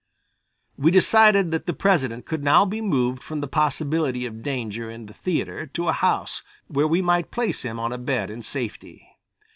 We decided that the President could now be moved from the possibility of danger in the theatre to a house where we might place him on a bed in safety.